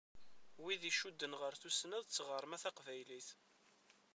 Wid i icudden ɣer tussna d tɣerma taqbaylit.